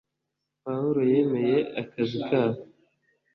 pawulo yemeye akazi kabo